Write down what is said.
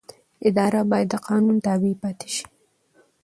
اداره باید د قانون تابع پاتې شي.